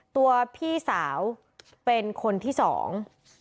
ตัวพี่สาวเป็นคนที่สอง